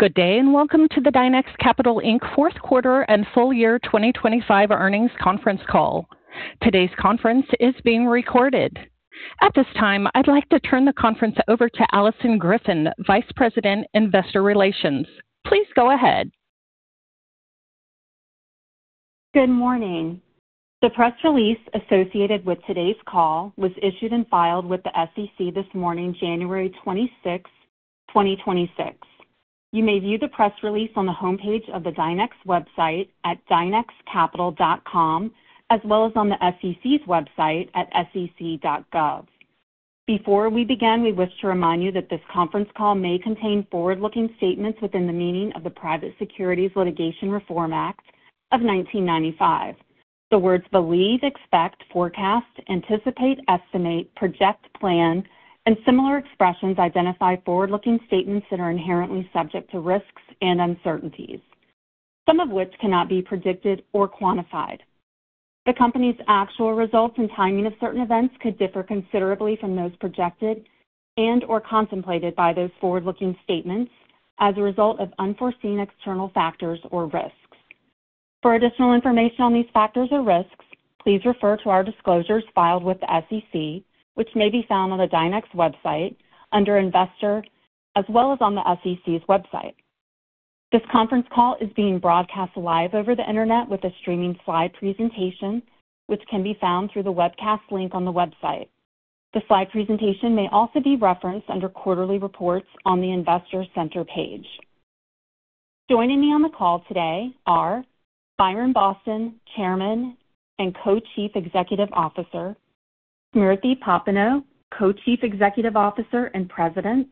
Good day, and welcome to the Dynex Capital Inc. fourth quarter and full year 2025 earnings conference call. Today's conference is being recorded. At this time, I'd like to turn the conference over to Alison Griffin, Vice President, Investor Relations. Please go ahead. Good morning. The press release associated with today's call was issued and filed with the SEC this morning, January 26, 2026. You may view the press release on the homepage of the Dynex website at dynexcapital.com, as well as on the SEC's website at sec.gov. Before we begin, we wish to remind you that this conference call may contain forward-looking statements within the meaning of the Private Securities Litigation Reform Act of 1995. The words believe, expect, forecast, anticipate, estimate, project, plan, and similar expressions identify forward-looking statements that are inherently subject to risks and uncertainties, some of which cannot be predicted or quantified. The company's actual results and timing of certain events could differ considerably from those projected and/or contemplated by those forward-looking statements as a result of unforeseen external factors or risks. For additional information on these factors or risks, please refer to our disclosures filed with the SEC, which may be found on the Dynex website under Investor, as well as on the SEC's website. This conference call is being broadcast live over the internet with a streaming slide presentation, which can be found through the webcast link on the website. The slide presentation may also be referenced under Quarterly Reports on the Investor Center page. Joining me on the call today are Byron Boston, Chairman and Co-Chief Executive Officer, Smriti Popenoe, Co-Chief Executive Officer and President,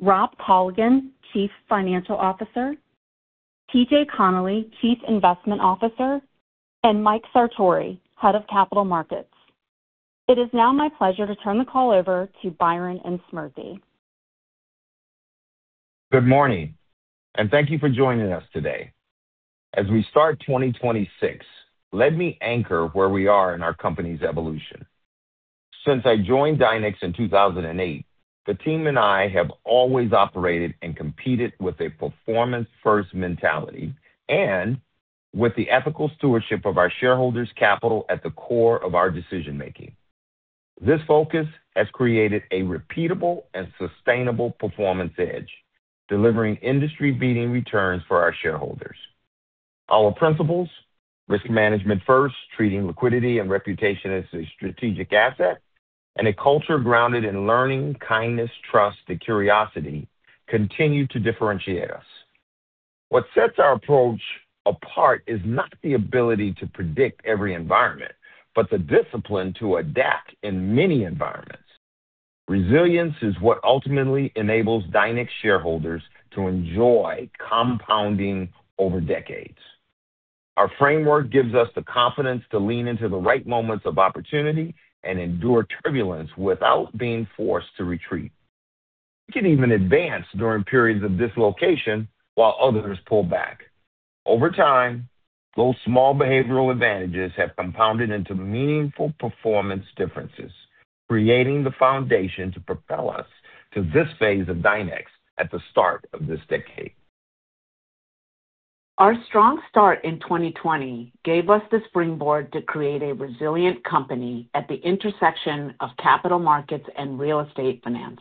Rob Colligan, Chief Financial Officer, T.J. Connelly, Chief Investment Officer, and Mike Sartori, Head of Capital Markets. It is now my pleasure to turn the call over to Byron and Smriti. Good morning, and thank you for joining us today. As we start 2026, let me anchor where we are in our company's evolution. Since I joined Dynex in 2008, the team and I have always operated and competed with a performance-first mentality and with the ethical stewardship of our shareholders' capital at the core of our decision-making. This focus has created a repeatable and sustainable performance edge, delivering industry-leading returns for our shareholders. Our principles, risk management first, treating liquidity and reputation as a strategic asset, and a culture grounded in learning, kindness, trust, and curiosity, continue to differentiate us. What sets our approach apart is not the ability to predict every environment, but the discipline to adapt in many environments. Resilience is what ultimately enables Dynex shareholders to enjoy compounding over decades. Our framework gives us the confidence to lean into the right moments of opportunity and endure turbulence without being forced to retreat. We can even advance during periods of dislocation while others pull back. Over time, those small behavioral advantages have compounded into meaningful performance differences, creating the foundation to propel us to this phase of Dynex at the start of this decade. Our strong start in 2020 gave us the springboard to create a resilient company at the intersection of capital markets and real estate finance.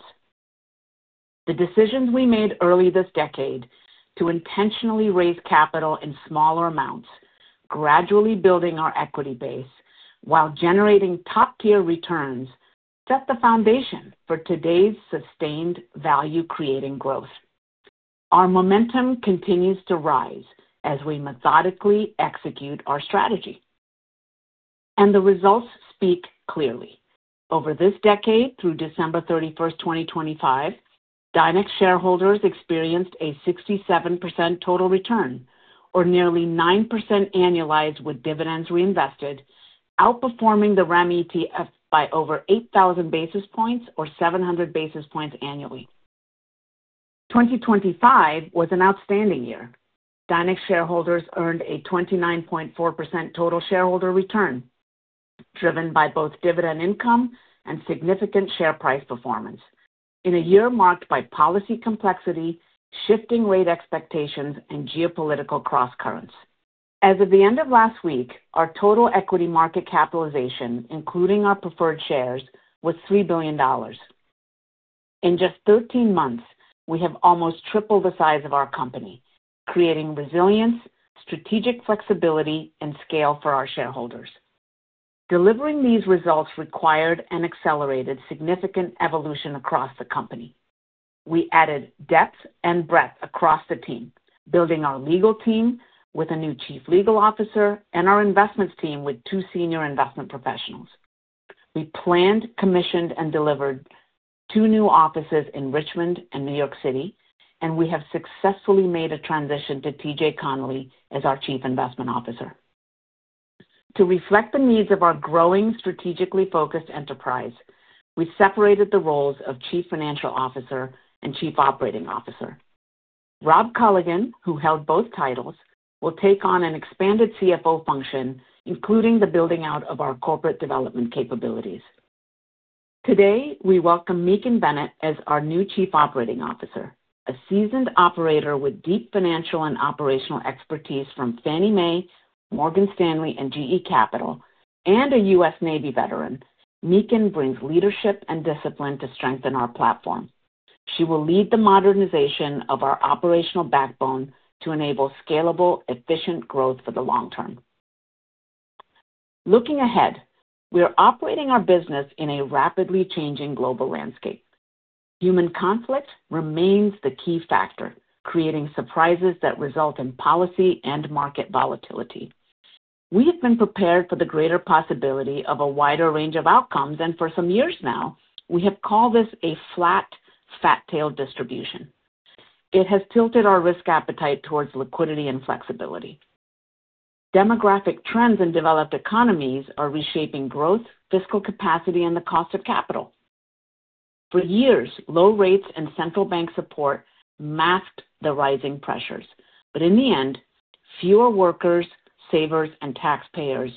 The decisions we made early this decade to intentionally raise capital in smaller amounts, gradually building our equity base while generating top-tier returns, set the foundation for today's sustained value-creating growth. Our momentum continues to rise as we methodically execute our strategy, and the results speak clearly. Over this decade, through December 31, 2025, Dynex shareholders experienced a 67% total return, or nearly 9% annualized, with dividends reinvested, outperforming the REM ETF by over 8,000 basis points or 700 basis points annually. 2025 was an outstanding year. Dynex shareholders earned a 29.4% total shareholder return, driven by both dividend income and significant share price performance in a year marked by policy complexity, shifting rate expectations, and geopolitical crosscurrents. As of the end of last week, our total equity market capitalization, including our preferred shares, was $3 billion. In just 13 months, we have almost tripled the size of our company, creating resilience, strategic flexibility, and scale for our shareholders. Delivering these results required and accelerated significant evolution across the company. We added depth and breadth across the team, building our legal team with a new Chief Legal Officer and our investments team with two senior investment professionals. We planned, commissioned, and delivered two new offices in Richmond and New York City, and we have successfully made a transition to T.J. Connelly as our Chief Investment Officer. To reflect the needs of our growing, strategically focused enterprise, we separated the roles of Chief Financial Officer and Chief Operating Officer. Rob Colligan, who held both titles, will take on an expanded CFO function, including the building out of our corporate development capabilities. Today, we welcome Megan Bennett as our new Chief Operating Officer. A seasoned operator with deep financial and operational expertise from Fannie Mae, Morgan Stanley, and GE Capital, and a U.S. Navy veteran, Megan brings leadership and discipline to strengthen our platform. She will lead the modernization of our operational backbone to enable scalable, efficient growth for the long term. Looking ahead, we are operating our business in a rapidly changing global landscape. Human conflict remains the key factor, creating surprises that result in policy and market volatility. We have been prepared for the greater possibility of a wider range of outcomes, and for some years now, we have called this a flat, fat tail distribution. It has tilted our risk appetite towards liquidity and flexibility. Demographic trends in developed economies are reshaping growth, fiscal capacity, and the cost of capital. For years, low rates and central bank support masked the rising pressures. But in the end, fewer workers, savers, and taxpayers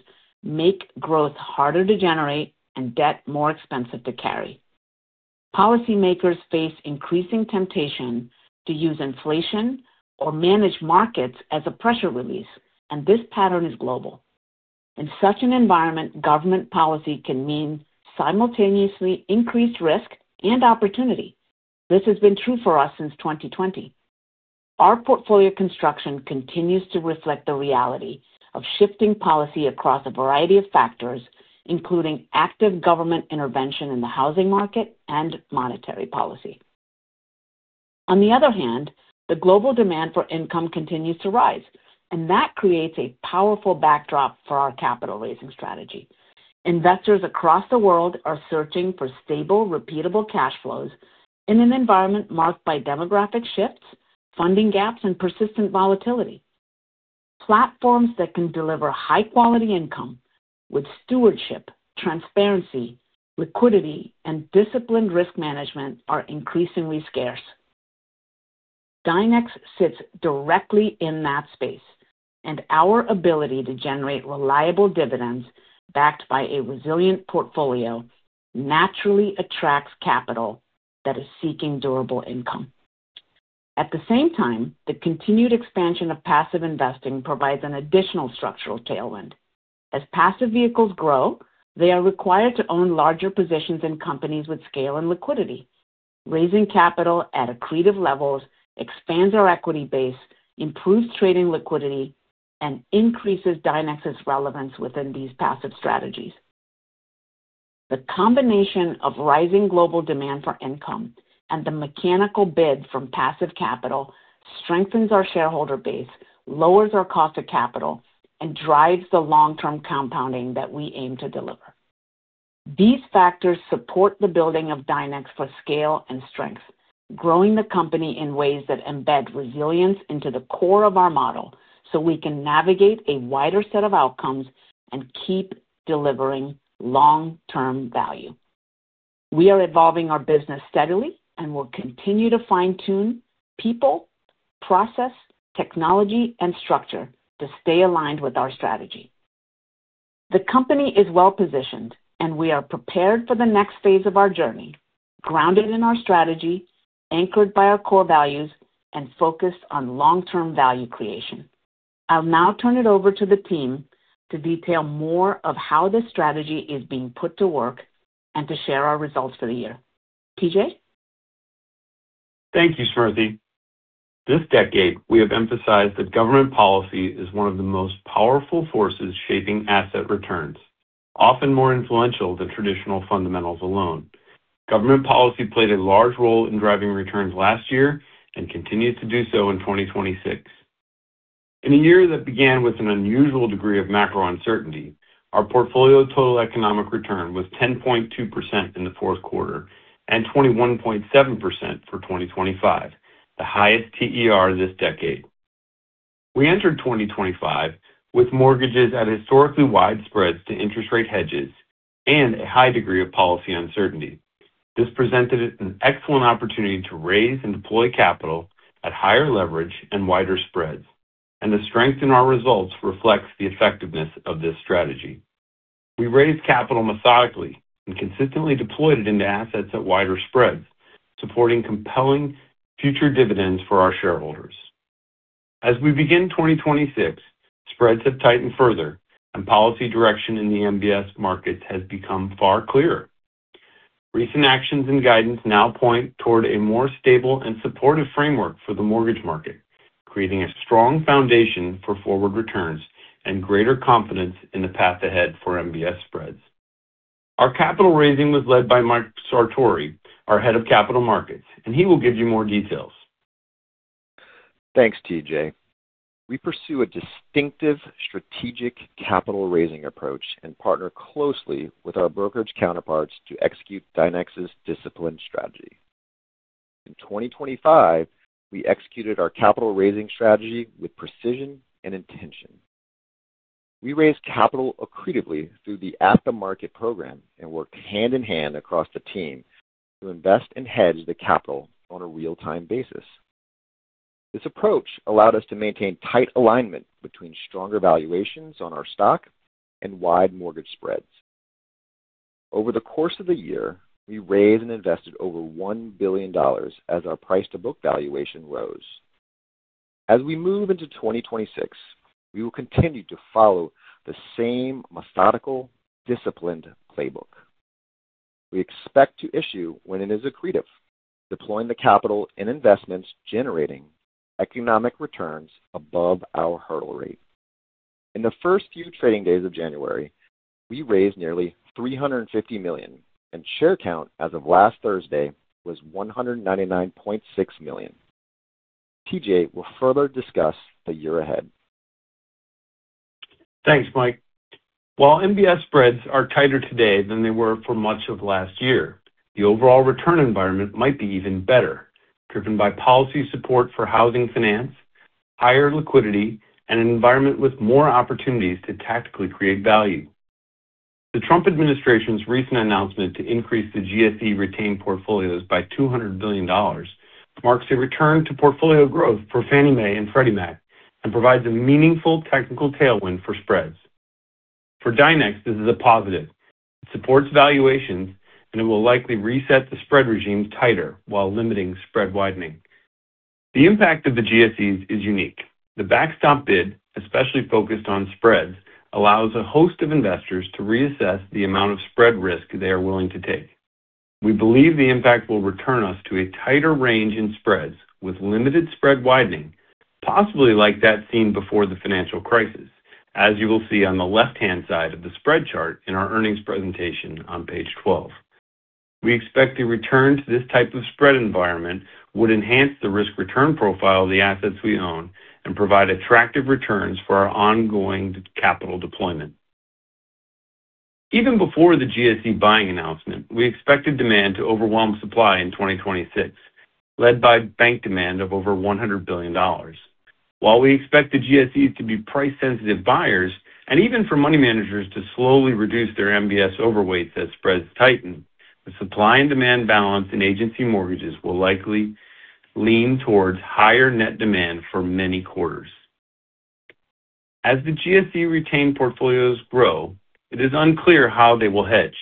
make growth harder to generate and debt more expensive to carry. Policymakers face increasing temptation to use inflation or manage markets as a pressure release, and this pattern is global. In such an environment, government policy can mean simultaneously increased risk and opportunity. This has been true for us since 2020. Our portfolio construction continues to reflect the reality of shifting policy across a variety of factors, including active government intervention in the housing market and monetary policy. On the other hand, the global demand for income continues to rise, and that creates a powerful backdrop for our capital raising strategy. Investors across the world are searching for stable, repeatable cash flows in an environment marked by demographic shifts, funding gaps, and persistent volatility. Platforms that can deliver high-quality income with stewardship, transparency, liquidity, and disciplined risk management are increasingly scarce. Dynex sits directly in that space, and our ability to generate reliable dividends, backed by a resilient portfolio, naturally attracts capital that is seeking durable income. At the same time, the continued expansion of passive investing provides an additional structural tailwind. As passive vehicles grow, they are required to own larger positions in companies with scale and liquidity. Raising capital at accretive levels expands our equity base, improves trading liquidity, and increases Dynex's relevance within these passive strategies. The combination of rising global demand for income and the mechanical bid from passive capital strengthens our shareholder base, lowers our cost of capital, and drives the long-term compounding that we aim to deliver. These factors support the building of Dynex for scale and strength, growing the company in ways that embed resilience into the core of our model, so we can navigate a wider set of outcomes and keep delivering long-term value. We are evolving our business steadily and will continue to fine-tune people, process, technology, and structure to stay aligned with our strategy. The company is well-positioned, and we are prepared for the next phase of our journey, grounded in our strategy, anchored by our core values, and focused on long-term value creation. I'll now turn it over to the team to detail more of how this strategy is being put to work and to share our results for the year. T.J.? Thank you, Smriti. This decade, we have emphasized that government policy is one of the most powerful forces shaping asset returns, often more influential than traditional fundamentals alone. Government policy played a large role in driving returns last year and continues to do so in 2026. In a year that began with an unusual degree of macro uncertainty, our portfolio total economic return was 10.2% in the fourth quarter and 21.7% for 2025, the highest TER this decade. We entered 2025 with mortgages at historically wide spreads to interest rate hedges and a high degree of policy uncertainty. This presented an excellent opportunity to raise and deploy capital at higher leverage and wider spreads, and the strength in our results reflects the effectiveness of this strategy. We raised capital methodically and consistently deployed it into assets at wider spreads, supporting compelling future dividends for our shareholders. As we begin 2026, spreads have tightened further, and policy direction in the MBS markets has become far clearer. Recent actions and guidance now point toward a more stable and supportive framework for the mortgage market, creating a strong foundation for forward returns and greater confidence in the path ahead for MBS spreads. Our capital raising was led by Mike Sartori, our Head of Capital Markets, and he will give you more details. Thanks, T.J. We pursue a distinctive strategic capital raising approach and partner closely with our brokerage counterparts to execute Dynex's discipline strategy. In 2025, we executed our capital raising strategy with precision and intention. We raised capital accretively through the at-the-market program and worked hand in hand across the team to invest and hedge the capital on a real-time basis. This approach allowed us to maintain tight alignment between stronger valuations on our stock and wide mortgage spreads. Over the course of the year, we raised and invested over $1 billion as our price-to-book valuation rose. As we move into 2026, we will continue to follow the same methodical, disciplined playbook. We expect to issue when it is accretive, deploying the capital in investments, generating economic returns above our hurdle rate. In the first few trading days of January, we raised nearly $350 million, and share count as of last Thursday was 199.6 million. T.J. will further discuss the year ahead. Thanks, Mike. While MBS spreads are tighter today than they were for much of last year, the overall return environment might be even better, driven by policy support for housing finance, higher liquidity, and an environment with more opportunities to tactically create value. The Trump administration's recent announcement to increase the GSE retained portfolios by $200 billion marks a return to portfolio growth for Fannie Mae and Freddie Mac and provides a meaningful technical tailwind for spreads. For Dynex, this is a positive. It supports valuations, and it will likely reset the spread regime tighter while limiting spread widening. The impact of the GSEs is unique. The backstop bid, especially focused on spreads, allows a host of investors to reassess the amount of spread risk they are willing to take. We believe the impact will return us to a tighter range in spreads with limited spread widening, possibly like that seen before the financial crisis, as you will see on the left-hand side of the spread chart in our earnings presentation on page 12. We expect a return to this type of spread environment would enhance the risk-return profile of the assets we own and provide attractive returns for our ongoing capital deployment. Even before the GSE buying announcement, we expected demand to overwhelm supply in 2026, led by bank demand of over $100 billion. While we expect the GSEs to be price-sensitive buyers, and even for money managers to slowly reduce their MBS overweights as spreads tighten, the supply and demand balance in agency mortgages will likely lean towards higher net demand for many quarters. As the GSE retained portfolios grow, it is unclear how they will hedge.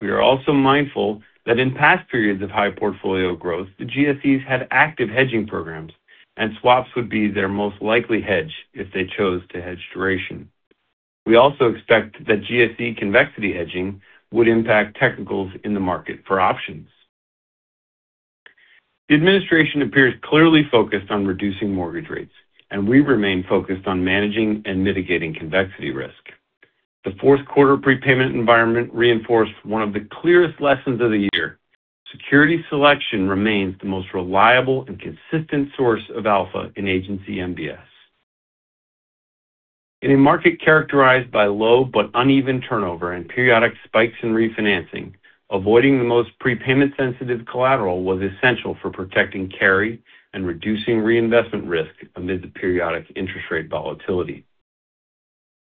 We are also mindful that in past periods of high portfolio growth, the GSEs had active hedging programs, and swaps would be their most likely hedge if they chose to hedge duration. We also expect that GSE convexity hedging would impact technicals in the market for options. The administration appears clearly focused on reducing mortgage rates, and we remain focused on managing and mitigating convexity risk. The fourth quarter prepayment environment reinforced one of the clearest lessons of the year: security selection remains the most reliable and consistent source of alpha in agency MBS. In a market characterized by low but uneven turnover and periodic spikes in refinancing, avoiding the most prepayment-sensitive collateral was essential for protecting carry and reducing reinvestment risk amid the periodic interest rate volatility.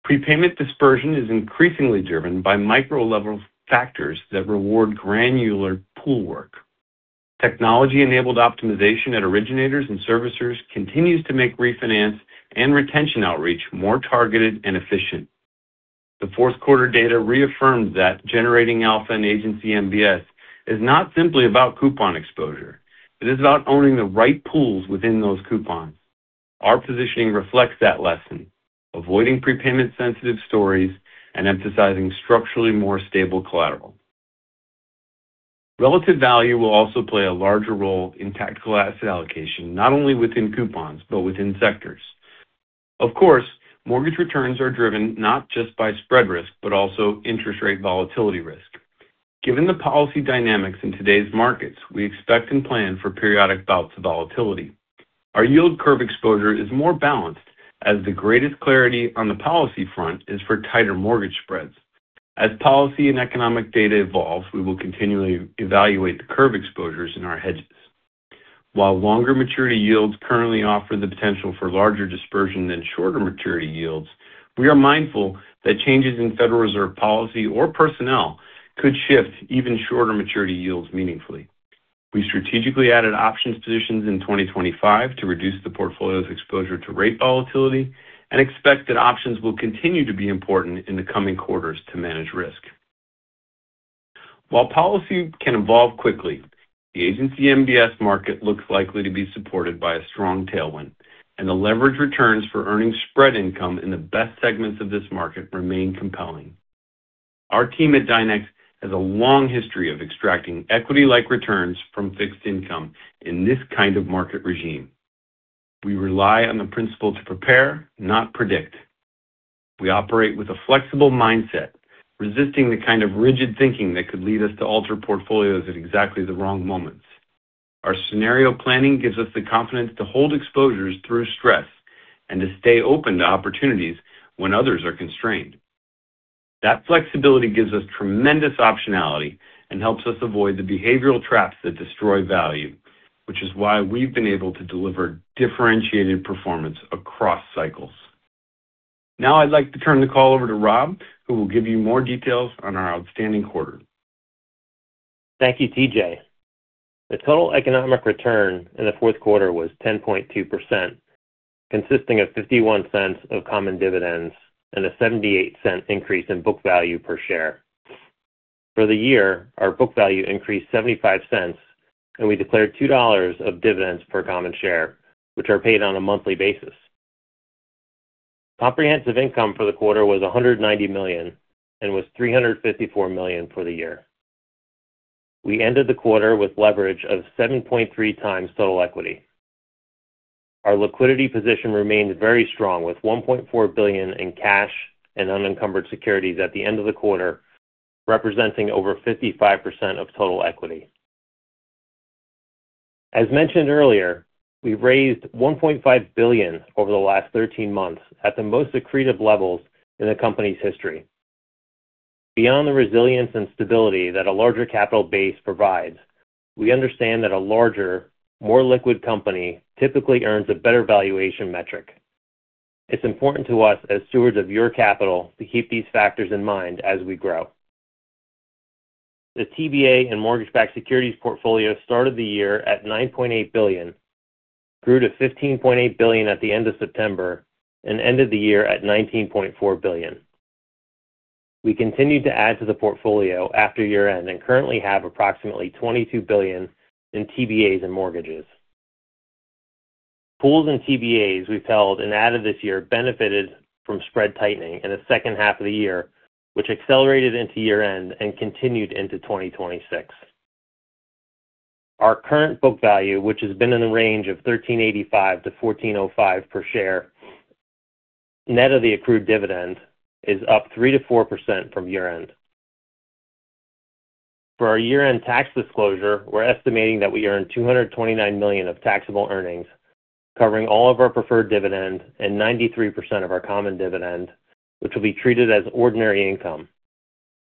Prepayment dispersion is increasingly driven by micro-level factors that reward granular pool work. Technology-enabled optimization at originators and servicers continues to make refinance and retention outreach more targeted and efficient. The fourth quarter data reaffirms that generating alpha in agency MBS is not simply about coupon exposure, it is about owning the right pools within those coupons. Our positioning reflects that lesson, avoiding prepayment-sensitive stories and emphasizing structurally more stable collateral. Relative value will also play a larger role in tactical asset allocation, not only within coupons, but within sectors. Of course, mortgage returns are driven not just by spread risk, but also interest rate volatility risk. Given the policy dynamics in today's markets, we expect and plan for periodic bouts of volatility. Our yield curve exposure is more balanced, as the greatest clarity on the policy front is for tighter mortgage spreads. As policy and economic data evolves, we will continually evaluate the curve exposures in our hedges. While longer maturity yields currently offer the potential for larger dispersion than shorter maturity yields, we are mindful that changes in Federal Reserve policy or personnel could shift even shorter maturity yields meaningfully. We strategically added options positions in 2025 to reduce the portfolio's exposure to rate volatility and expect that options will continue to be important in the coming quarters to manage risk. While policy can evolve quickly, the Agency MBS market looks likely to be supported by a strong tailwind, and the leverage returns for earning spread income in the best segments of this market remain compelling. Our team at Dynex has a long history of extracting equity-like returns from fixed income in this kind of market regime. We rely on the principle to prepare, not predict. We operate with a flexible mindset, resisting the kind of rigid thinking that could lead us to alter portfolios at exactly the wrong moments. Our scenario planning gives us the confidence to hold exposures through stress and to stay open to opportunities when others are constrained. That flexibility gives us tremendous optionality and helps us avoid the behavioral traps that destroy value, which is why we've been able to deliver differentiated performance across cycles. Now I'd like to turn the call over to Rob, who will give you more details on our outstanding quarter. Thank you, T.J. The total economic return in the fourth quarter was 10.2%, consisting of $0.51 of common dividends and a $0.78 increase in book value per share. For the year, our book value increased $0.75, and we declared $2 of dividends per common share, which are paid on a monthly basis. Comprehensive income for the quarter was $190 million and was $354 million for the year. We ended the quarter with leverage of 7.3x total equity. Our liquidity position remains very strong, with $1.4 billion in cash and unencumbered securities at the end of the quarter, representing over 55% of total equity. As mentioned earlier, we've raised $1.5 billion over the last 13 months at the most accretive levels in the company's history. Beyond the resilience and stability that a larger capital base provides, we understand that a larger, more liquid company typically earns a better valuation metric. It's important to us, as stewards of your capital, to keep these factors in mind as we grow. The TBA and mortgage-backed securities portfolio started the year at $9.8 billion, grew to $15.8 billion at the end of September, and ended the year at $19.4 billion. We continued to add to the portfolio after year-end and currently have approximately $22 billion in TBAs and mortgages. Pools and TBAs we've held and added this year benefited from spread tightening in the second half of the year, which accelerated into year-end and continued into 2026. Our current book value, which has been in the range of $13.85-$14.05 per share, net of the accrued dividend, is up 3%-4% from year-end. For our year-end tax disclosure, we're estimating that we earned $229 million of taxable earnings, covering all of our preferred dividends and 93% of our common dividend, which will be treated as ordinary income.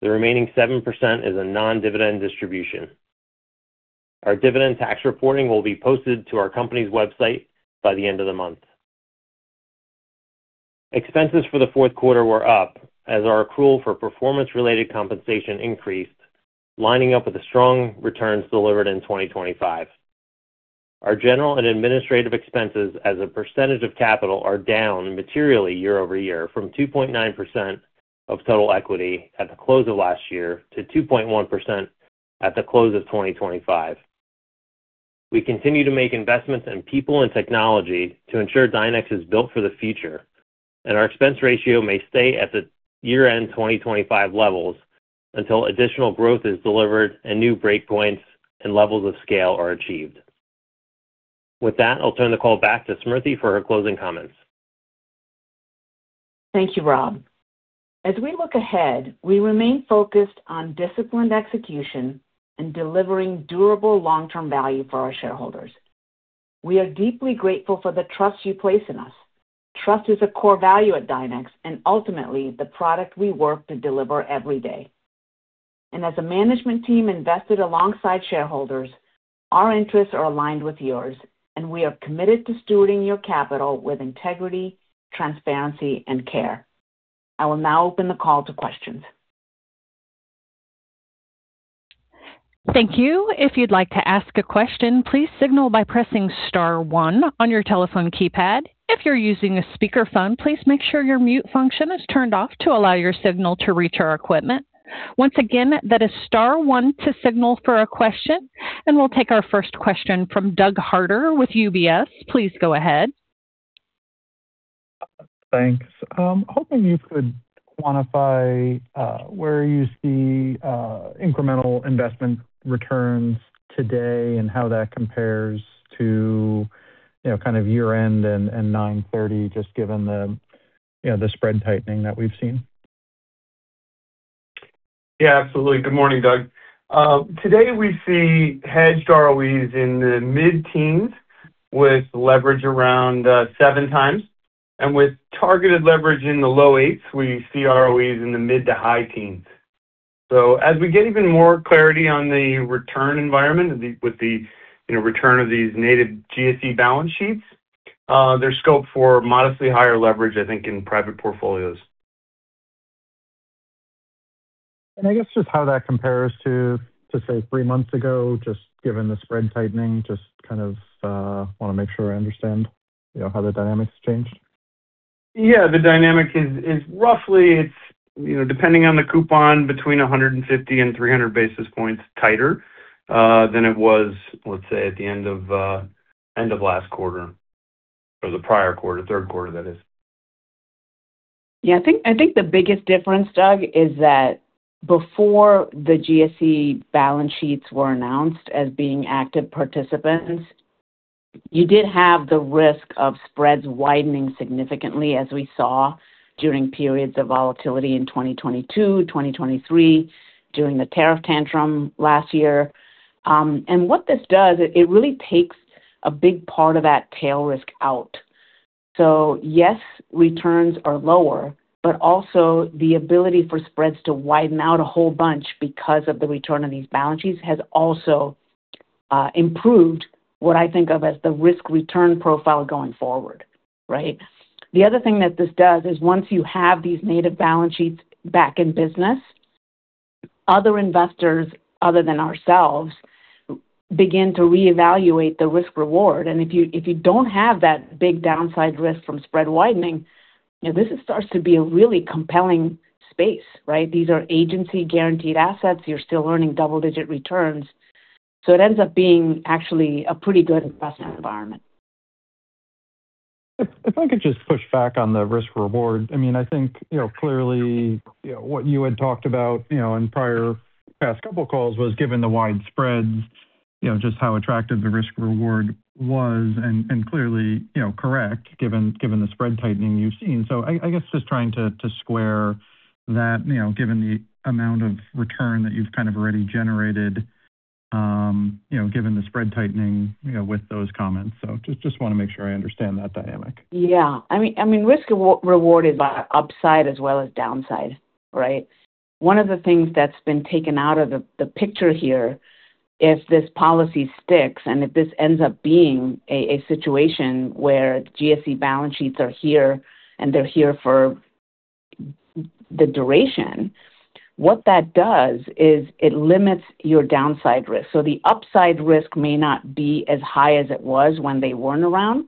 The remaining 7% is a non-dividend distribution. Our dividend tax reporting will be posted to our company's website by the end of the month. Expenses for the fourth quarter were up, as our accrual for performance-related compensation increased, lining up with the strong returns delivered in 2025. Our general and administrative expenses as a percentage of capital are down materially year-over-year, from 2.9% of total equity at the close of last year to 2.1% at the close of 2025. We continue to make investments in people and technology to ensure Dynex is built for the future, and our expense ratio may stay at the year-end 2025 levels until additional growth is delivered and new breakpoints and levels of scale are achieved. With that, I'll turn the call back to Smriti for her closing comments. Thank you, Rob. As we look ahead, we remain focused on disciplined execution and delivering durable long-term value for our shareholders. We are deeply grateful for the trust you place in us. Trust is a core value at Dynex and ultimately the product we work to deliver every day. And as a management team invested alongside shareholders, our interests are aligned with yours, and we are committed to stewarding your capital with integrity, transparency, and care. I will now open the call to questions. Thank you. If you'd like to ask a question, please signal by pressing star one on your telephone keypad. If you're using a speakerphone, please make sure your mute function is turned off to allow your signal to reach our equipment. Once again, that is star one to signal for a question, and we'll take our first question from Doug Harter with UBS. Please go ahead. Thanks. Hoping you could quantify where you see incremental investment returns today and how that compares to, you know, kind of year-end and 9/30, just given the, you know, the spread tightening that we've seen. Yeah, absolutely. Good morning, Doug. Today we see hedged ROEs in the mid-teens with leverage around 7x, and with targeted leverage in the low eights, we see ROEs in the mid- to high teens. So as we get even more clarity on the return environment, with the, you know, return of these native GSE balance sheets, there's scope for modestly higher leverage, I think, in private portfolios. I guess just how that compares to, to say, three months ago, just given the spread tightening, just kind of want to make sure I understand, you know, how the dynamics changed. Yeah, the dynamic is roughly, it's, you know, depending on the coupon, between 150 and 300 basis points tighter than it was, let's say, at the end of end of last quarter or the prior quarter, third quarter, that is. Yeah, I think, I think the biggest difference, Doug, is that before the GSE balance sheets were announced as being active participants, you did have the risk of spreads widening significantly, as we saw during periods of volatility in 2022, 2023, during the tariff tantrum last year. And what this does, it really takes a big part of that tail risk out. So yes, returns are lower, but also the ability for spreads to widen out a whole bunch because of the return on these balance sheets has also improved what I think of as the risk-return profile going forward, right? The other thing that this does is once you have these native balance sheets back in business, other investors, other than ourselves, begin to reevaluate the risk-reward. If you don't have that big downside risk from spread widening, you know, this starts to be a really compelling space, right? These are agency-guaranteed assets. You're still earning double-digit returns. So it ends up being actually a pretty good investment environment. If, if I could just push back on the risk-reward. I mean, I think, you know, clearly, you know, what you had talked about, you know, in prior past couple calls was given the wide spreads, you know, just how attractive the risk-reward was, and, and clearly, you know, correct, given, given the spread tightening you've seen. So I, I guess just trying to, to square that, you know, given the amount of return that you've kind of already generated, you know, given the spread tightening, you know, with those comments. So just, just wanna make sure I understand that dynamic. Yeah. I mean, I mean, risk rewarded by upside as well as downside, right? One of the things that's been taken out of the picture here, if this policy sticks, and if this ends up being a situation where GSE balance sheets are here, and they're here for the duration, what that does is it limits your downside risk. So the upside risk may not be as high as it was when they weren't around,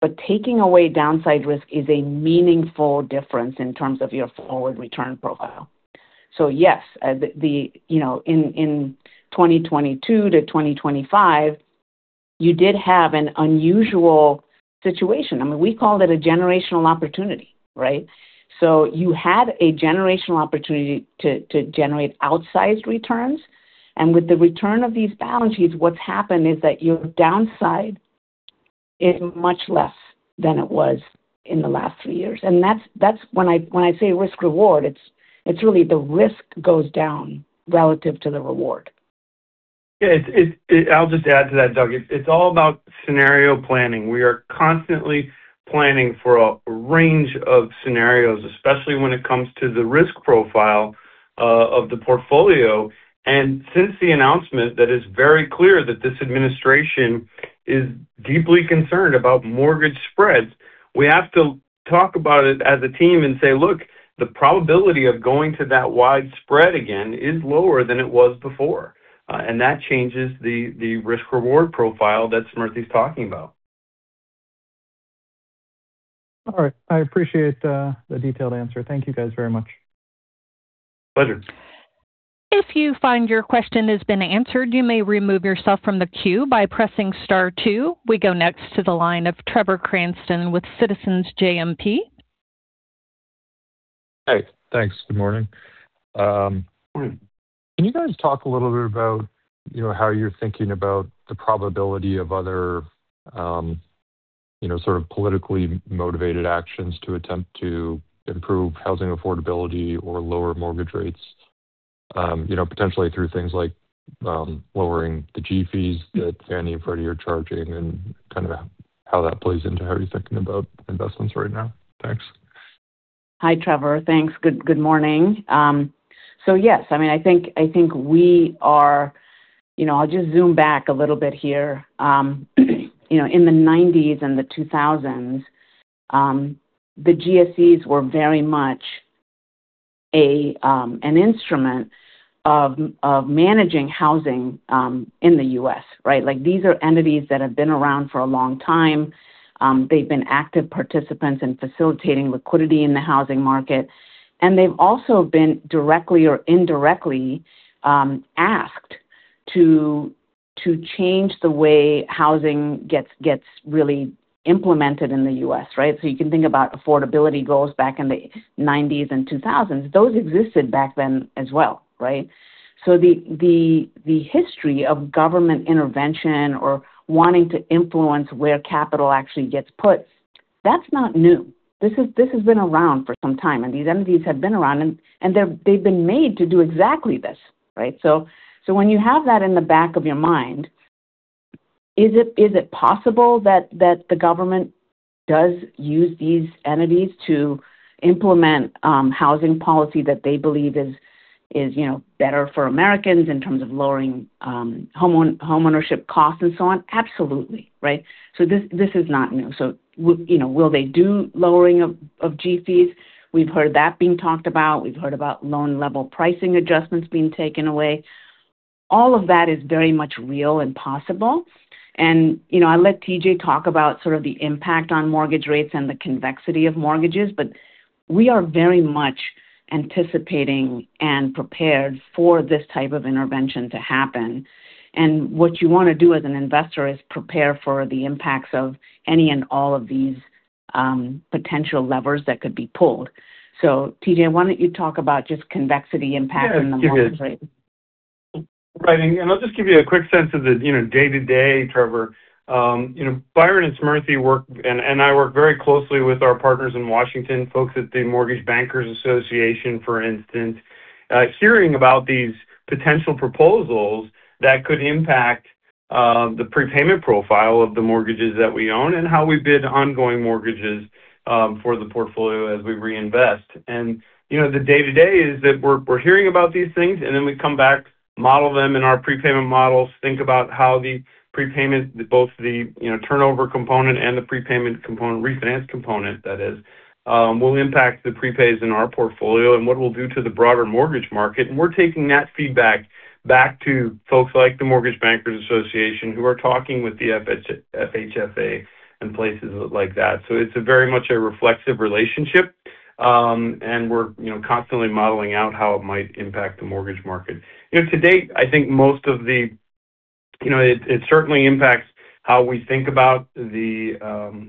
but taking away downside risk is a meaningful difference in terms of your forward return profile. So yes, the you know, in 2022-2025, you did have an unusual situation. I mean, we called it a generational opportunity, right? So you had a generational opportunity to generate outsized returns, and with the return of these balance sheets, what's happened is that your downside is much less than it was in the last three years. And that's when I say risk-reward, it's really the risk goes down relative to the reward. Yeah, it's. I'll just add to that, Doug. It's all about scenario planning. We are constantly planning for a range of scenarios, especially when it comes to the risk profile of the portfolio. And since the announcement that it's very clear that this administration is deeply concerned about mortgage spreads, we have to talk about it as a team and say. Look, the probability of going to that wide spread again is lower than it was before. And that changes the risk-reward profile that Smriti's talking about. All right. I appreciate the detailed answer. Thank you, guys, very much. Pleasure. If you find your question has been answered, you may remove yourself from the queue by pressing star two. We go next to the line of Trevor Cranston with Citizens JMP. Hey, thanks. Good morning. Can you guys talk a little bit about, you know, how you're thinking about the probability of other, you know, sort of politically motivated actions to attempt to improve housing affordability or lower mortgage rates, you know, potentially through things like, lowering the G-fees that Fannie and Freddie are charging, and kind of how that plays into how you're thinking about investments right now? Thanks. Hi, Trevor. Thanks. Good morning. So yes, I mean, I think we are. You know, I'll just zoom back a little bit here. You know, in the 1990s and the 2000s, the GSEs were very much an instrument of managing housing in the U.S., right? Like, these are entities that have been around for a long time. They've been active participants in facilitating liquidity in the housing market, and they've also been directly or indirectly asked to change the way housing gets really implemented in the U.S., right? So you can think about affordability goals back in the 1990s and the 2000s. Those existed back then as well, right? So the history of government intervention or wanting to influence where capital actually gets put, that's not new. This has been around for some time, and these entities have been around, and they've been made to do exactly this, right? So when you have that in the back of your mind, is it possible that the government does use these entities to implement housing policy that they believe is, you know, better for Americans in terms of lowering homeownership costs and so on? Absolutely, right? So this is not new. So, you know, will they do lowering of G-fees? We've heard that being talked about. We've heard about loan-level pricing adjustments being taken away. All of that is very much real and possible. You know, I'll let T.J talk about sort of the impact on mortgage rates and the convexity of mortgages, but we are very much anticipating and prepared for this type of intervention to happen. What you wanna do as an investor is prepare for the impacts of any and all of these, potential levers that could be pulled. TJ, why don't you talk about just convexity impact on the mortgage rate? Yeah, right. And I'll just give you a quick sense of the, you know, day-to-day, Trevor. You know, Byron and Smriti work, and I work very closely with our partners in Washington, folks at the Mortgage Bankers Association, for instance, hearing about these potential proposals that could impact the prepayment profile of the mortgages that we own and how we bid ongoing mortgages, for the portfolio as we reinvest. And, you know, the day-to-day is that we're hearing about these things, and then we come back, model them in our prepayment models, think about how the prepayment, both the, you know, turnover component and the prepayment component, refinance component that is, will impact the prepays in our portfolio and what we'll do to the broader mortgage market. And we're taking that feedback back to folks like the Mortgage Bankers Association, who are talking with the FHFA and places like that. So it's a very much a reflexive relationship, and we're, you know, constantly modeling out how it might impact the mortgage market. You know, to date, I think most of the you know, it certainly impacts how we think about the,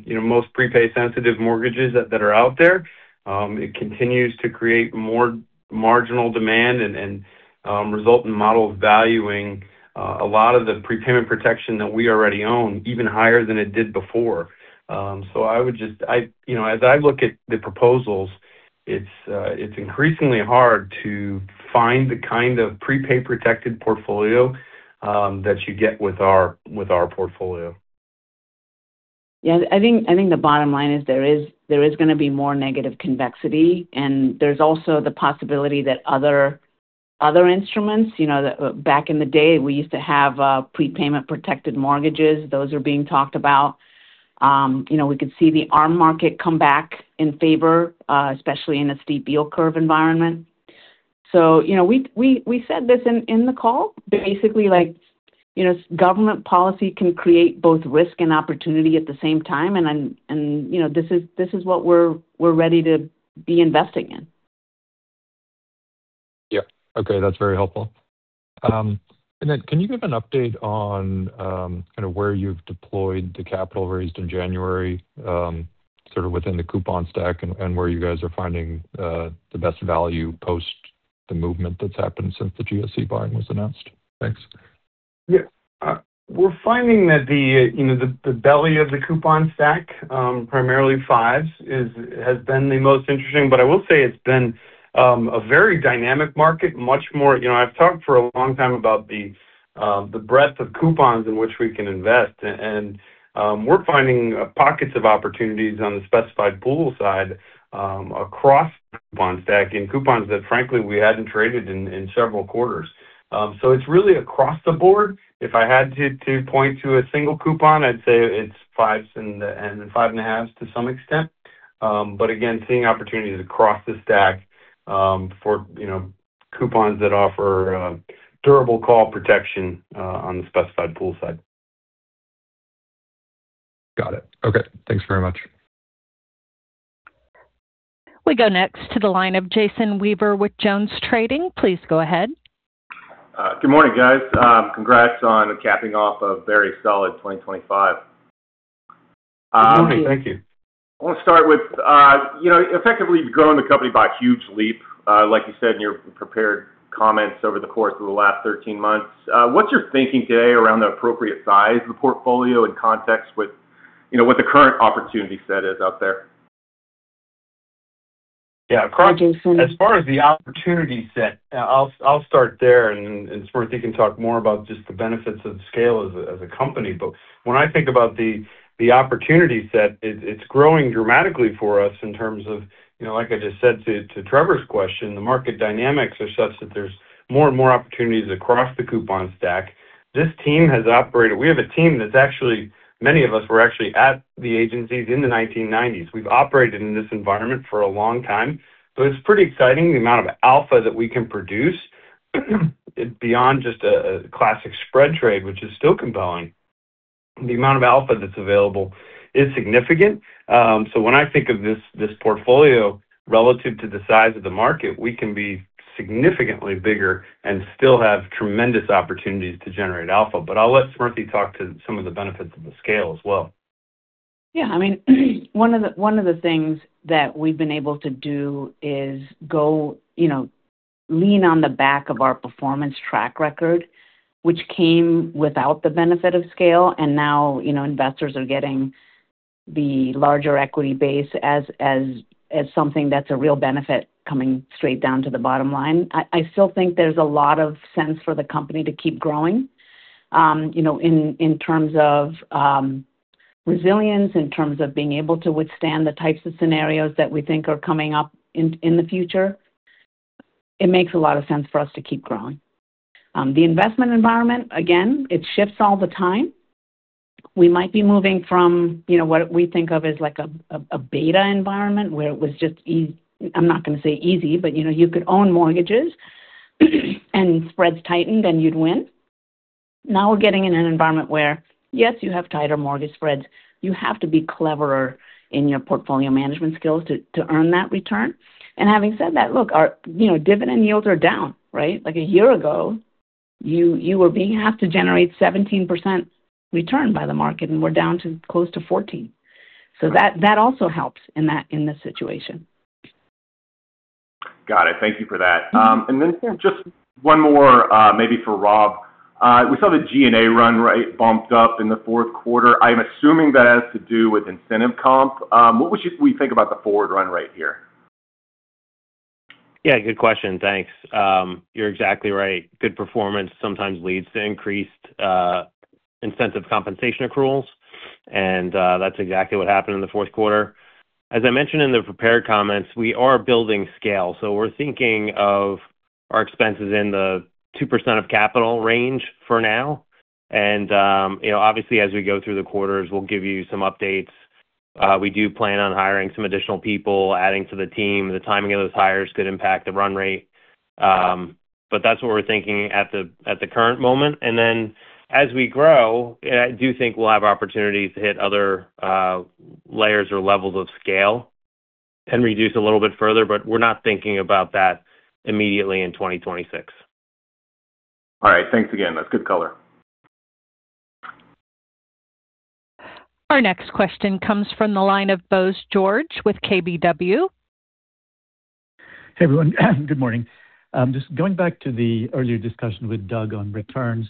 you know, most prepayment-sensitive mortgages that are out there. It continues to create more marginal demand and result in models valuing a lot of the prepayment protection that we already own even higher than it did before. So I would just you know, as I look at the proposals, it's increasingly hard to find the kind of prepayment protected portfolio that you get with our portfolio. Yeah, I think the bottom line is there is gonna be more negative convexity, and there's also the possibility that other instruments, you know, back in the day, we used to have prepayment-protected mortgages. Those are being talked about. You know, we could see the ARM market come back in favor, especially in a steep yield curve environment. So, you know, we said this in the call, but basically, like, you know, government policy can create both risk and opportunity at the same time, and you know, this is what we're ready to be investing in. Yeah. Okay, that's very helpful. And then can you give an update on kind of where you've deployed the capital raised in January, sort of within the coupon stack and where you guys are finding the best value post the movement that's happened since the GSE buying was announced? Thanks. Yeah. We're finding that the, you know, the belly of the coupon stack, primarily fives, has been the most interesting. But I will say it's been a very dynamic market, much more. You know, I've talked for a long time about the breadth of coupons in which we can invest, and we're finding pockets of opportunities on the specified pools side, across the coupon stack in coupons that, frankly, we hadn't traded in several quarters. So it's really across the board. If I had to point to a single coupon, I'd say it's fives and five and a halfs to some extent. But again, seeing opportunities across the stack, for, you know, coupons that offer durable call protection on the specified pools side. Got it. Okay, thanks very much. We go next to the line of Jason Weaver with JonesTrading. Please go ahead. Good morning, guys. Congrats on capping off a very solid 2025. Good morning. Thank you. Thank you. I want to start with, you know, effectively, you've grown the company by a huge leap, like you said in your prepared comments over the course of the last 13 months. What's your thinking today around the appropriate size of the portfolio in context with, you know, what the current opportunity set is out there? Yeah. Hi, Jason. As far as the opportunity set, I'll start there, and Smriti can talk more about just the benefits of the scale as a company. But when I think about the opportunity set, it's growing dramatically for us in terms of, you know, like I just said to Trevor's question, the market dynamics are such that there's more and more opportunities across the coupon stack. This team has operated. We have a team that's actually many of us were actually at the agencies in the 1990s. We've operated in this environment for a long time, so it's pretty exciting. The amount of alpha that we can produce, beyond just a classic spread trade, which is still compelling. The amount of alpha that's available is significant. So when I think of this, this portfolio relative to the size of the market, we can be significantly bigger and still have tremendous opportunities to generate alpha. But I'll let Smriti talk to some of the benefits of the scale as well. Yeah, I mean, one of the, one of the things that we've been able to do is go, you know, lean on the back of our performance track record, which came without the benefit of scale, and now, you know, investors are getting the larger equity base as, as, as something that's a real benefit coming straight down to the bottom line. I still think there's a lot of sense for the company to keep growing. You know, in, in terms of, resilience, in terms of being able to withstand the types of scenarios that we think are coming up in, in the future, it makes a lot of sense for us to keep growing. The investment environment, again, it shifts all the time. We might be moving from, you know, what we think of as like a beta environment, where it was just—I'm not gonna say easy, but, you know, you could own mortgages, and spreads tightened, and you'd win. Now we're getting in an environment where, yes, you have tighter mortgage spreads. You have to be cleverer in your portfolio management skills to earn that return. And having said that, look, our, you know, dividend yields are down, right? Like, a year ago, you were being asked to generate 17% return by the market, and we're down to close to 14. So that also helps in that in this situation. Got it. Thank you for that. And then just one more, maybe for Rob. We saw the G&A run rate bumped up in the fourth quarter. I'm assuming that has to do with incentive comp. What would we think about the forward run rate here? Yeah, good question. Thanks. You're exactly right. Good performance sometimes leads to increased incentive compensation accruals, and that's exactly what happened in the fourth quarter. As I mentioned in the prepared comments, we are building scale, so we're thinking of our expenses in the 2% of capital range for now. And, you know, obviously, as we go through the quarters, we'll give you some updates. We do plan on hiring some additional people, adding to the team. The timing of those hires could impact the run rate. But that's what we're thinking at the current moment. And then, as we grow, I do think we'll have opportunities to hit other layers or levels of scale and reduce a little bit further, but we're not thinking about that immediately in 2026. All right, thanks again. That's good color. Our next question comes from the line of Bose George with KBW. Hey, everyone. Good morning. Just going back to the earlier discussion with Doug on returns.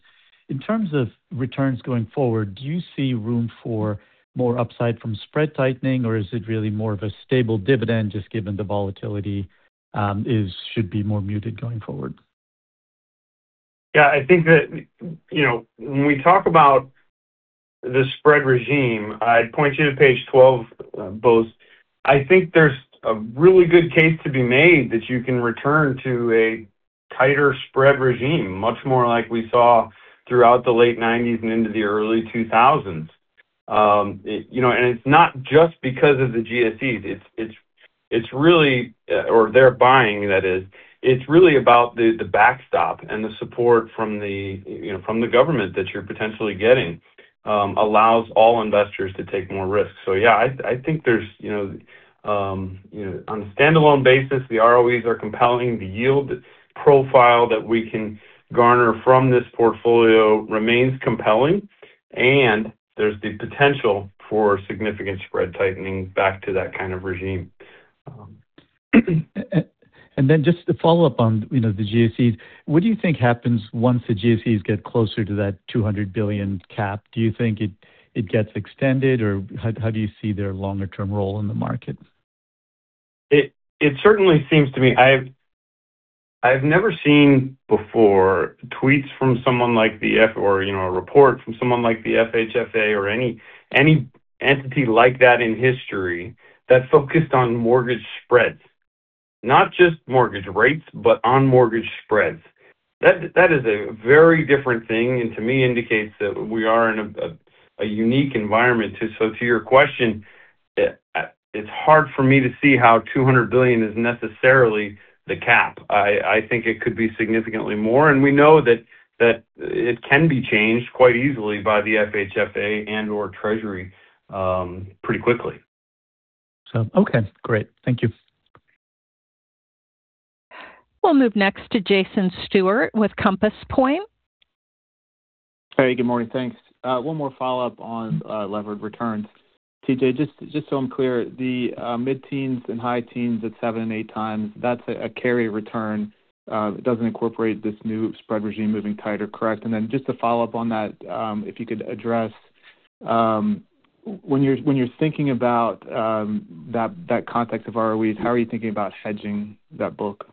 In terms of returns going forward, do you see room for more upside from spread tightening, or is it really more of a stable dividend, just given the volatility, should be more muted going forward? Yeah, I think that, you know, when we talk about the spread regime, I'd point you to page 12, Bose. I think there's a really good case to be made that you can return to a tighter spread regime, much more like we saw throughout the late 1990s and into the early 2000s. It, you know, and it's not just because of the GSEs. It's really, or their buying, that is, it's really about the backstop and the support from, you know, from the government that you're potentially getting allows all investors to take more risks. So yeah, I think there's, you know, you know, on a standalone basis, the ROEs are compelling. The yield profile that we can garner from this portfolio remains compelling, and there's the potential for significant spread tightening back to that kind of regime. And then just to follow up on, you know, the GSEs, what do you think happens once the GSEs get closer to that $200 billion cap? Do you think it gets extended, or how do you see their longer-term role in the market? It certainly seems to me. I've never seen before tweets from someone like the FHFA or, you know, a report from someone like the FHFA or any entity like that in history that focused on mortgage spreads. Not just mortgage rates, but on mortgage spreads. That is a very different thing, and to me, indicates that we are in a unique environment. To your question, so it's hard for me to see how $200 billion is necessarily the cap. I think it could be significantly more, and we know that it can be changed quite easily by the FHFA and/or Treasury pretty quickly. Okay, great. Thank you. We'll move next to Jason Stewart with Compass Point. Hey, good morning. Thanks. One more follow-up on levered returns. T.J, just so I'm clear, the mid-teens and high teens at 7x and 8x, that's a carry return. It doesn't incorporate this new spread regime moving tighter, correct? And then just to follow up on that, if you could address, when you're thinking about that context of ROEs, how are you thinking about hedging that book?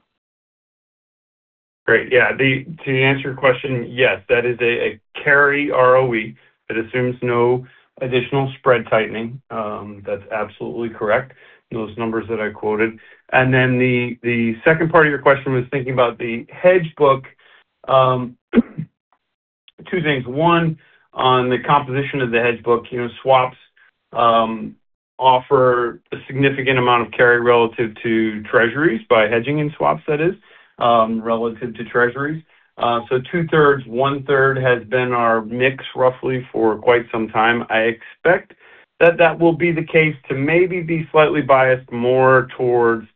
Great. Yeah. To answer your question, yes, that is a carry ROE that assumes no additional spread tightening. That's absolutely correct, those numbers that I quoted. And then the second part of your question was thinking about the hedge book. Two things. One, on the composition of the hedge book, you know, swaps offer a significant amount of carry relative to Treasuries by hedging in swaps, that is, relative to Treasuries. So two-thirds, one-third has been our mix, roughly for quite some time. I expect that that will be the case to maybe be slightly biased more towards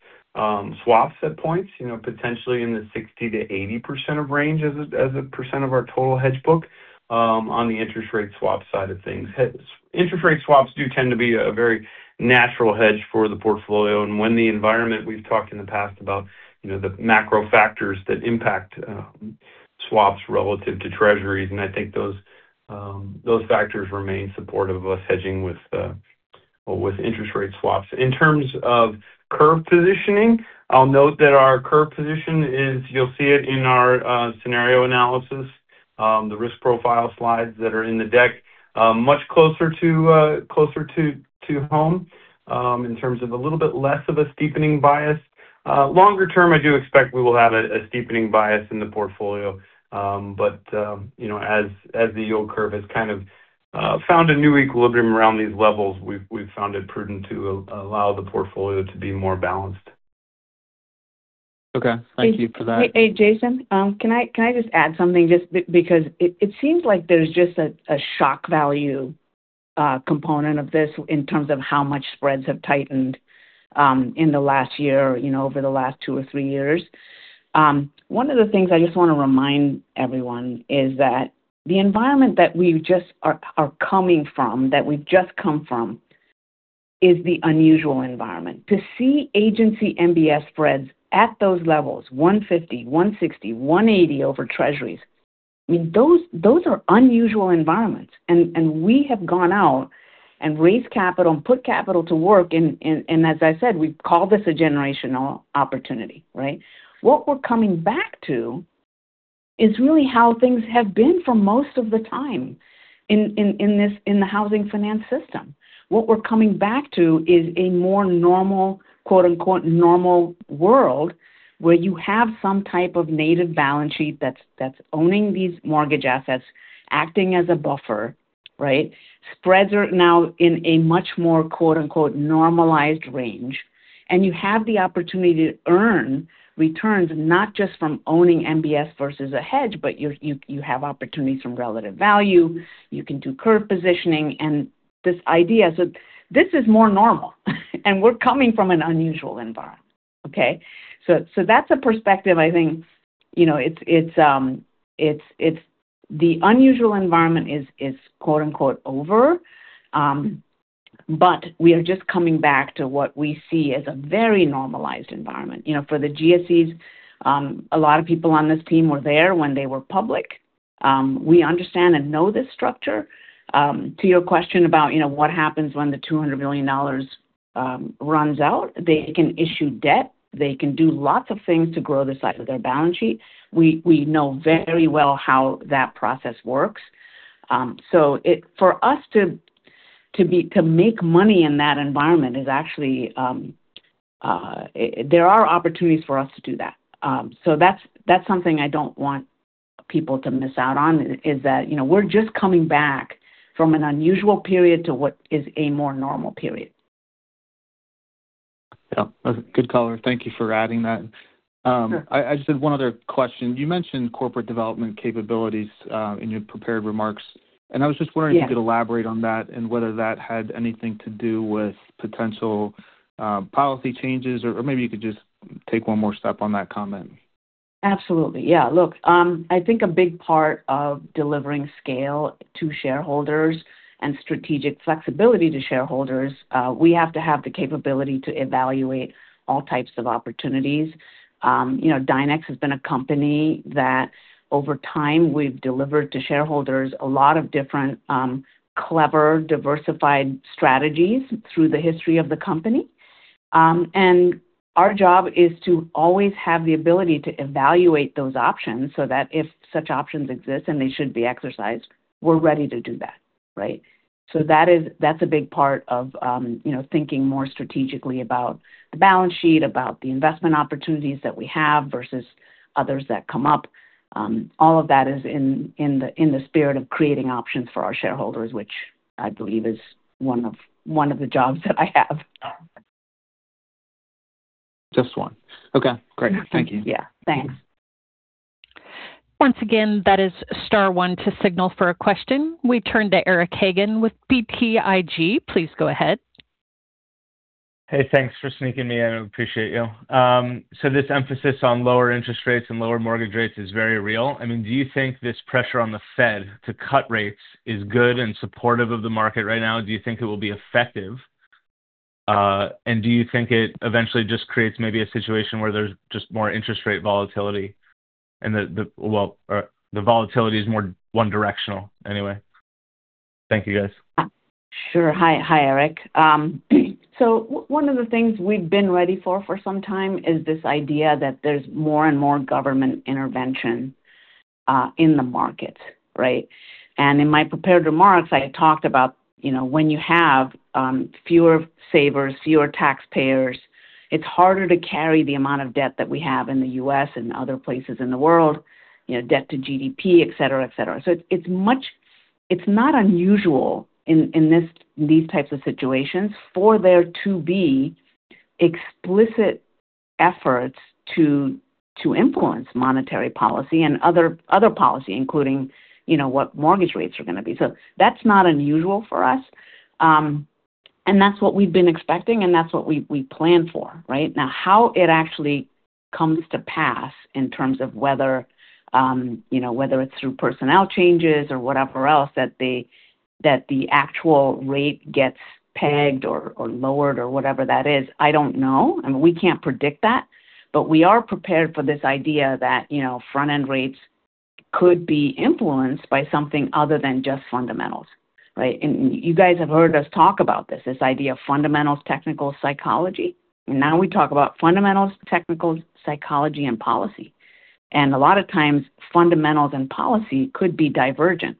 swaps at points, you know, potentially in the 60%-80% range as a percent of our total hedge book on the interest rate swap side of things. Interest rate swaps do tend to be a very natural hedge for the portfolio, and when the environment we've talked in the past about, you know, the macro factors that impact swaps relative to Treasuries, and I think those, those factors remain supportive of us hedging with, well, with interest rate swaps. In terms of curve positioning, I'll note that our curve position is, you'll see it in our scenario analysis, the risk profile slides that are in the deck, much closer to, closer to, to home, in terms of a little bit less of a steepening bias. Longer term, I do expect we will have a, a steepening bias in the portfolio. But, you know, as the yield curve has kind of found a new equilibrium around these levels, we've found it prudent to allow the portfolio to be more balanced. Okay, thank you for that. Hey, hey, Jason. Can I just add something, just because it seems like there's just a shock value component of this in terms of how much spreads have tightened in the last year, you know, over the last two or three years. One of the things I just want to remind everyone is that the environment that we are coming from, that we've just come from, is the unusual environment. To see agency MBS spreads at those levels, 150, 160, 180 over Treasuries I mean, those are unusual environments, and we have gone out and raised capital and put capital to work, and as I said, we've called this a generational opportunity, right? What we're coming back to is really how things have been for most of the time in this, in the housing finance system. What we're coming back to is a more normal, quote, unquote, "normal world", where you have some type of native balance sheet that's owning these mortgage assets, acting as a buffer, right? Spreads are now in a much more, quote, unquote, "normalized range," and you have the opportunity to earn returns, not just from owning MBS versus a hedge, but you have opportunities from relative value, you can do curve positioning, and this idea as that this is more normal, and we're coming from an unusual environment, okay? So that's a perspective I think, you know, it's the unusual environment is, quote, unquote, "over," but we are just coming back to what we see as a very normalized environment. You know, for the GSEs, a lot of people on this team were there when they were public. We understand and know this structure. To your question about, you know, what happens when the $200 million runs out, they can issue debt, they can do lots of things to grow the size of their balance sheet. We, we know very well how that process works. So it for us to, to make money in that environment is actually, there are opportunities for us to do that. So that's, that's something I don't want people to miss out on, is that, you know, we're just coming back from an unusual period to what is a more normal period. Yeah, good color. Thank you for adding that. I just have one other question. You mentioned corporate development capabilities, in your prepared remarks, and I was just wondering- Yeah. If you could elaborate on that and whether that had anything to do with potential policy changes, or, or maybe you could just take one more step on that comment? Absolutely. Yeah, look, I think a big part of delivering scale to shareholders and strategic flexibility to shareholders, we have to have the capability to evaluate all types of opportunities. You know, Dynex has been a company that, over time, we've delivered to shareholders a lot of different, clever, diversified strategies through the history of the company. And our job is to always have the ability to evaluate those options so that if such options exist, and they should be exercised, we're ready to do that, right? So that is, that's a big part of, you know, thinking more strategically about the balance sheet, about the investment opportunities that we have versus others that come up. All of that is in the spirit of creating options for our shareholders, which I believe is one of the jobs that I have. Just one. Okay, great. Thank you. Yeah. Thanks. Once again, that is star one to signal for a question. We turn to Eric Hagen with BTIG. Please go ahead. Hey, thanks for sneaking me in. I appreciate you. So this emphasis on lower interest rates and lower mortgage rates is very real. I mean, do you think this pressure on the Fed to cut rates is good and supportive of the market right now? Do you think it will be effective? And do you think it eventually just creates maybe a situation where there's just more interest rate volatility and well, the volatility is more one directional anyway. Thank you, guys. Sure. Hi Eric. So one of the things we've been ready for for some time is this idea that there's more and more government intervention in the market, right? And in my prepared remarks, I had talked about, you know, when you have fewer savers, fewer taxpayers, it's harder to carry the amount of debt that we have in the U.S. and other places in the world, you know, debt to GDP, etc. So it's much, it's not unusual in these types of situations for there to be explicit efforts to influence monetary policy and other policy, including, you know, what mortgage rates are gonna be. So that's not unusual for us. And that's what we've been expecting, and that's what we plan for, right? Now, how it actually comes to pass in terms of whether, you know, whether it's through personnel changes or whatever else, that the, that the actual rate gets pegged or, or lowered or whatever that is, I don't know, and we can't predict that. But we are prepared for this idea that, you know, front-end rates could be influenced by something other than just fundamentals, right? And you guys have heard us talk about this, this idea of fundamentals, technicals, psychology. Now we talk about fundamentals, technicals, psychology, and policy. And a lot of times, fundamentals and policy could be divergent,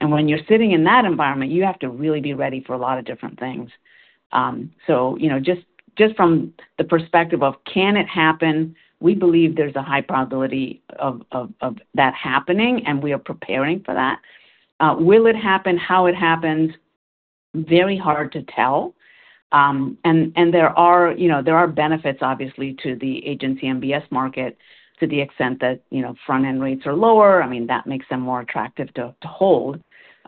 and when you're sitting in that environment, you have to really be ready for a lot of different things. So, you know, just from the perspective of can it happen, we believe there's a high probability of that happening, and we are preparing for that. Will it happen? How it happens? Very hard to tell. And there are, you know, there are benefits, obviously, to the Agency MBS market to the extent that, you know, front-end rates are lower. I mean, that makes them more attractive to hold.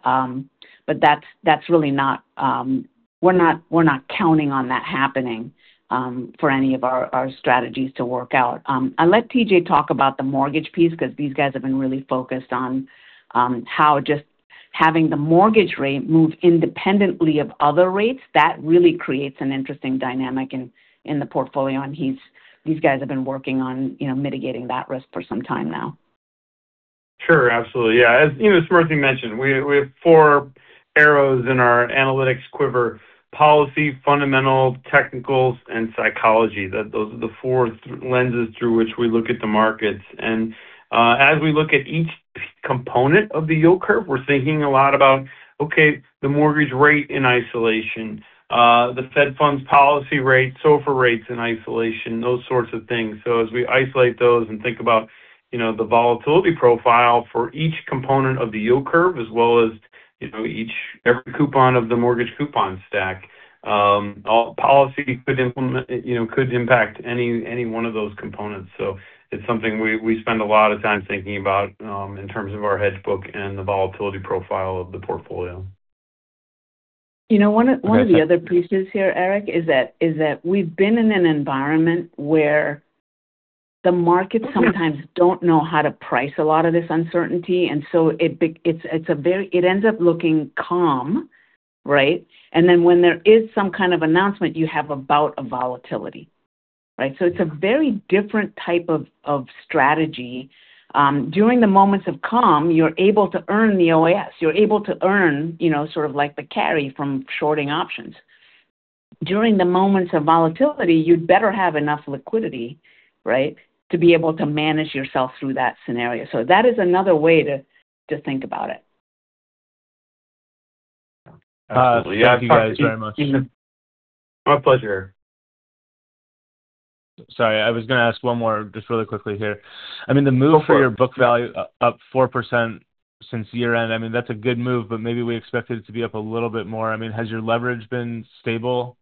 But that's really not... We're not counting on that happening for any of our strategies to work out. I'll let T.J. talk about the mortgage piece because these guys have been really focused on how just having the mortgage rate move independently of other rates, that really creates an interesting dynamic in the portfolio, and these guys have been working on, you know, mitigating that risk for some time now. Sure, absolutely. Yeah, as you know, Smriti mentioned, we have four arrows in our analytics quiver: policy, fundamental, technicals, and psychology. That those are the four lenses through which we look at the markets. And as we look at each component of the yield curve, we're thinking a lot about, okay, the mortgage rate in isolation, the Fed funds policy rate, SOFR rates in isolation, those sorts of things. So as we isolate those and think about you know the volatility profile for each component of the yield curve, as well as you know each every coupon of the mortgage coupon stack, all policy could implement you know could impact any one of those components. So it's something we spend a lot of time thinking about in terms of our hedge book and the volatility profile of the portfolio. You know, one of the other pieces here, Eric, is that we've been in an environment where the markets sometimes don't know how to price a lot of this uncertainty, and so it's it ends up looking calm, right? And then when there is some kind of announcement, you have a bout of volatility, right? So it's a very different type of strategy. During the moments of calm, you're able to earn the OAS, you're able to earn, you know, sort of like the carry from shorting options. During the moments of volatility, you'd better have enough liquidity, right, to be able to manage yourself through that scenario. So that is another way to think about it. Thank you guys very much. Our pleasure. Sorry, I was gonna ask one more, just really quickly here. I mean, the move for your book value up 4% since year-end, I mean, that's a good move, but maybe we expected it to be up a little bit more. I mean, has your leverage been stable?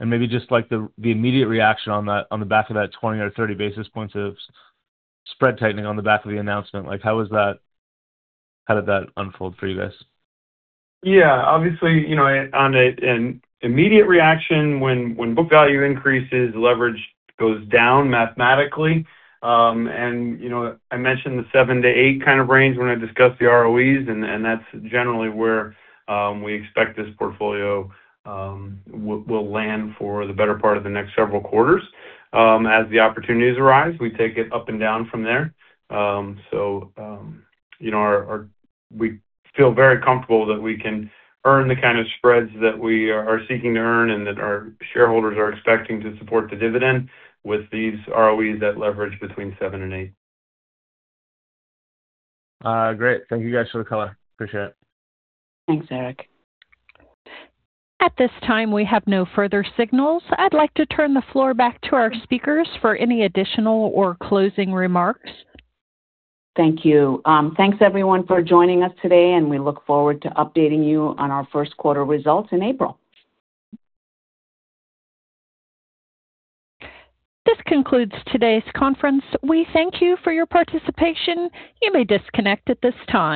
And maybe just, like, the immediate reaction on that, on the back of that 20 or 30 basis points of spread tightening on the back of the announcement, like, how was that how did that unfold for you guys? Yeah, obviously, you know, on an immediate reaction, when book value increases, leverage goes down mathematically. And, you know, I mentioned the seven and eight kind of range when I discussed the ROEs, and that's generally where we expect this portfolio will land for the better part of the next several quarters. As the opportunities arise, we take it up and down from there. So, you know, our we feel very comfortable that we can earn the kind of spreads that we are seeking to earn and that our shareholders are expecting to support the dividend with these ROEs that leverage between seven and eight. Great. Thank you guys for the color. Appreciate it. Thanks, Eric. At this time, we have no further signals. I'd like to turn the floor back to our speakers for any additional or closing remarks. Thank you. Thanks everyone for joining us today, and we look forward to updating you on our first quarter results in April. This concludes today's conference. We thank you for your participation. You may disconnect at this time.